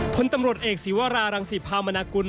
พลตำรวจเอกศีวรารังศิพามนากุล